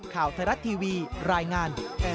ข่าวไทยรัฐทีวีรายงาน